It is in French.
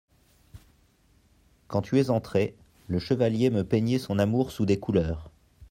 Quand tu es entrée, le chevalier me peignait son amour sous des couleurs…